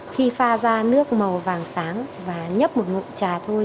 khi pha ra nước màu vàng sáng và nhấp một ngụm trà thôi